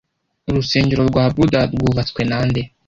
Urusengero rwa buda rwubatswe nande